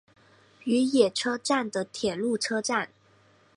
与野车站的铁路车站。